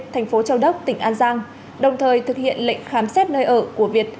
thành phố châu đốc tỉnh an giang đồng thời thực hiện lệnh khám xét nơi ở của việt